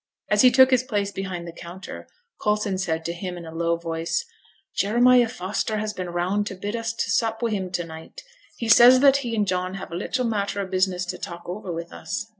As he took his place behind the counter, Coulson said to him in a low voice, 'Jeremiah Foster has been round to bid us to sup wi' him to night. He says that he and John have a little matter o' business to talk over with us.'